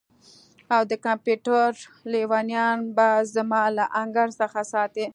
او د کمپیوټر لیونیان به زما له انګړ څخه ساتئ